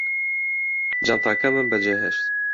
جانتاکەمم بەجێهێشت